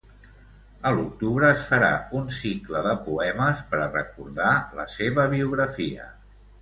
A l'octubre es farà un cicle de poemes per a recordar la seva biografia.